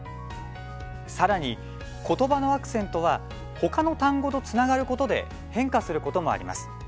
さらに、言葉のアクセントは他の単語とつながることで変化することもあります。